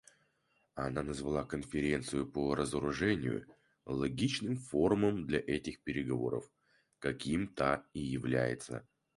Она назвала Конференцию по разоружению "логичным форумом для этих переговоров", каким та и является.